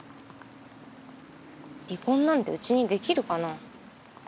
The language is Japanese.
離婚なんてうちにできるかな？